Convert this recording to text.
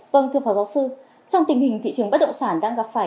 vâng thưa phó giáo sư trong tình hình thị trường bất động sản đang gặp phải